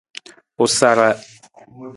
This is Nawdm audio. U sara.